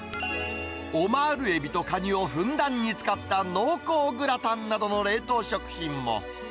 オマールエビとカニをふんだんに使った濃厚グラタンなどの冷凍食品も。